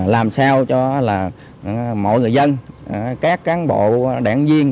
làm sao cho là mọi người dân các cán bộ đảng viên